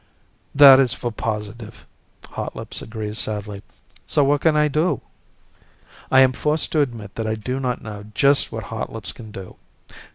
"That is for positive," Hotlips agrees sadly. "So what can I do?" I am forced to admit that I do not know just what Hotlips can do.